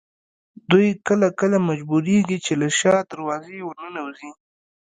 دوی کله کله مجبورېږي چې له شا دروازې ورننوځي.